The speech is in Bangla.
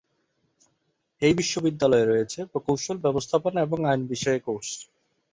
এই বিশ্ববিদ্যালয়ে রয়েছে প্রকৌশল, ব্যবস্থাপনা এবং আইন বিষয়ে কোর্স।